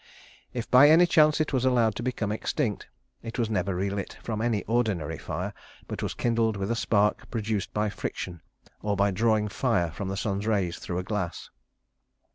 If by any chance it was allowed to become extinct, it was never relit from any ordinary fire, but was kindled with a spark produced by friction, or by drawing fire from the sun's rays through a glass.